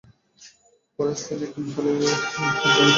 পরে স্থানীয় একটি মহলের ইন্ধনে তাঁরা আমার বিরুদ্ধে মিথ্যা অভিযোগ করছেন।